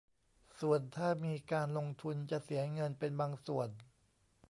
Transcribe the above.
ส่วนถ้ามีการลงทุนจะเสียเงินเป็นบางส่วน